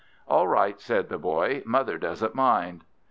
"All right," says the Boy, "mother doesn't mind."